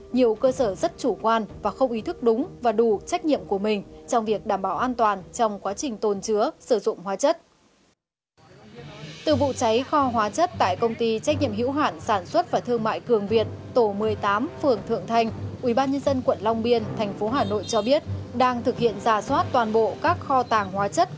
nhiều cơ sở rất chủ quan và không ý thức đúng và đủ trách nhiệm của mình trong việc đảm bảo an toàn trong quá trình tồn chứa sử dụng hóa chất